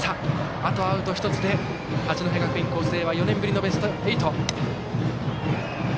あとアウト１つで八戸学院光星は４年ぶりのベスト８。